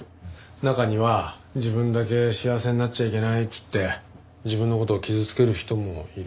中には自分だけ幸せになっちゃいけないっつって自分の事を傷つける人もいる。